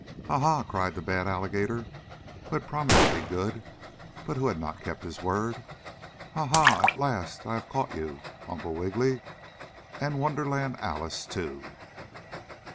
"Ah, ha!" cried the bad alligator, who had promised to be good, but who had not kept his word. "Ah, ha! At last I have caught you, Uncle Wiggily, and Wonderland Alice, too!"